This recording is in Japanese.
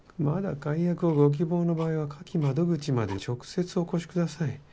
「まだ解約をご希望の場合は下記窓口まで直接お越し下さい」。